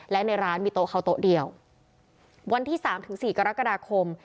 และในร้านมีโต๊ะเขาโต๊ะเดียววันที่สามถึงสี่กรกฎาคม